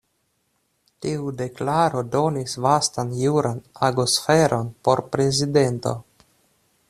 Tiu deklaro donis vastan juran agosferon por prezidento..